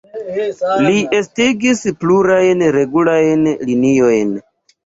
Li estigis plurajn regulajn liniojn.